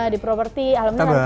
di properti alhamdulillah